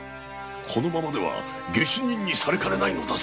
このままでは下手人にされかねないのだぞ！